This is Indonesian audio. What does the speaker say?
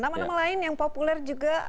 nama nama lain yang populer juga